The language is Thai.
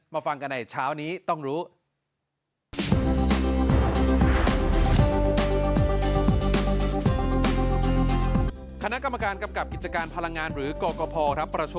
ฟังกันในเช้านี้ต้องรู้